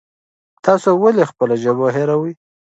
تاسو ولې خپله ژبه هېروئ؟